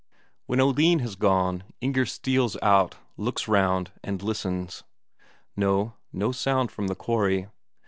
When Oline has gone, Inger steals out, looks round, and listens. No, no sound from the quarry.